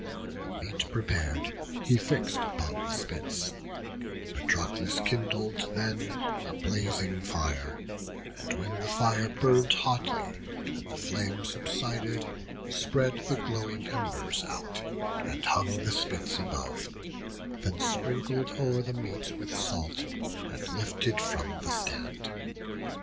The meat, prepar'd, he fix'd upon the spits: Patroclus kindled then a blazing fire; And when the fire burnt hotly, and the flame Subsided, spread the glowing embers out, And hung the spits above; then sprinkled o'er The meat with salt, and lifted from the stand.